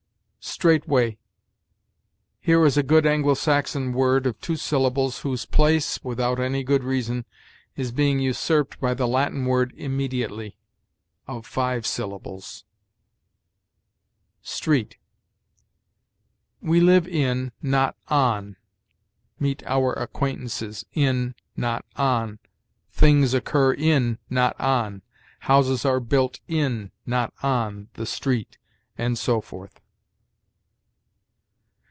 STRAIGHTWAY. Here is a good Anglo Saxon word of two syllables whose place, without any good reason, is being usurped by the Latin word immediately, of five syllables. STREET. We live in, not on meet our acquaintances in, not on things occur in, not on houses are built in, not on, the street, and so forth.